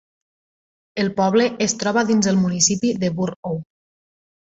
El poble es troba dins el municipi de Burr Oak.